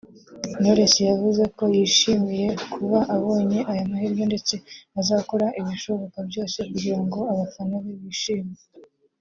Knowless yavuze ko yishimiye kuba abonye aya mahirwe ndetse azakora ibishoboka byose kugira ngo abafana be bishime